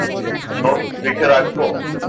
Note লিখে রাখব?